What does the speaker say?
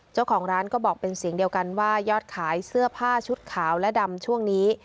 เจ้าของร้านก็บอกเป็นเสียงเดียวกันว่ายอดขายเสื้อผ้าชุดขาวและดำช่วงนี้